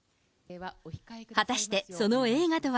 果たしてその映画とは。